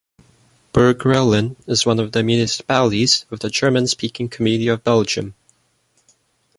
Burg-Reuland is one of the municipalities of the German-speaking Community of Belgium.